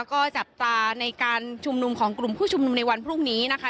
ก็จับตาในการชุมนุมของกลุ่มผู้ชุมนุมในวันพรุ่งนี้นะคะ